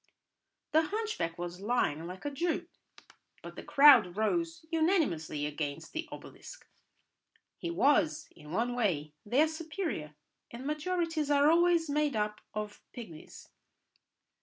The hunchback was lying like a Jew, but the crowd rose unanimously against the obelisk. He was, in one way, their superior, and majorities are always made up of pigmies.